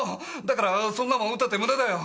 だからそんなもん打ったって無駄だよ！